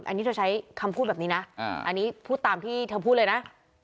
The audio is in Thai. อันนี้เธอใช้คำพูดแบบนี้นะอันนี้พูดตามที่เธอพูดเลยนะ